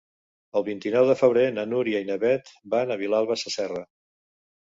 El vint-i-nou de febrer na Núria i na Beth van a Vilalba Sasserra.